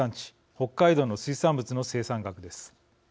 北海道の水産物の生産額です。